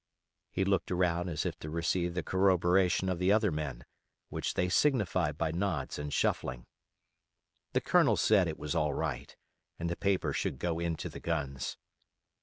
He looked around as if to receive the corroboration of the other men, which they signified by nods and shuffling. The Colonel said it was all right, and the paper should go into the guns.